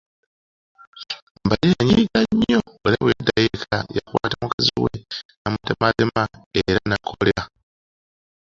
Mabaire yanyiiga nnyo era bweyaddayo eka yakwata mukaziwe namutematema era n’akolera